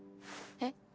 えっ？